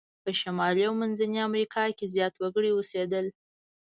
په شمالي او منځني امریکا کې زیات وګړي اوسیدل.